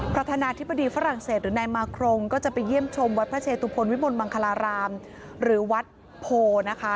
พระธนาธิบดีฝรั่งเศสหรือในมาครงก็จะไปเยี่ยมชมวัดพระเชตุพลวิบลมังคาราราม